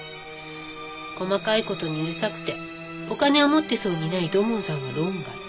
細かい事にうるさくてお金を持ってそうにない土門さんは論外。